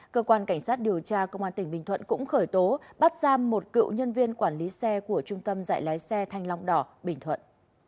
cơ quan cảnh sát điều tra công an tỉnh bình thuận cũng khởi tố bắt giam một cựu nhân viên quản lý xe của trung tâm dạy lái xe thanh long đỏ bình thuận